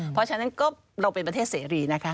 เพราะฉะนั้นก็เราเป็นประเทศเสรีนะคะ